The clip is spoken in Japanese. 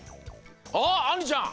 おっあんりちゃん。